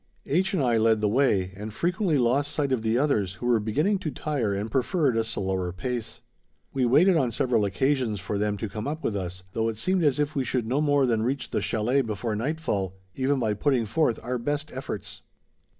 H. and I led the way, and frequently lost sight of the others who were beginning to tire and preferred a slower pace. We waited on several occasions for them to come up with us, though it seemed as if we should no more than reach the chalet before nightfall, even by putting forth our best efforts.